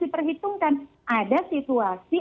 diperhitungkan ada situasi